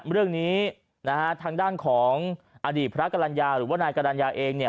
เรื่องนี้นะฮะทางด้านของอดีตพระกรรณญาหรือว่านายกรรณญาเองเนี่ย